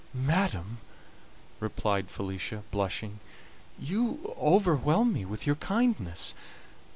"Madam," replied Felicia, blushing, "you overwhelm me with your kindness.